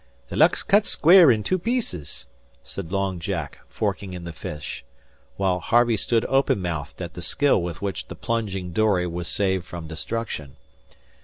"The luck's cut square in two pieces," said Long Jack, forking in the fish, while Harvey stood open mouthed at the skill with which the plunging dory was saved from destruction.